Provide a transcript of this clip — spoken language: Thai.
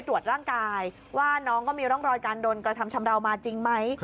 ว่าน้องก็มีร่องรอยการโดนกระทำชำราวมาจริงไหม